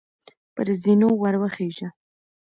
پر زینو وروخیژه !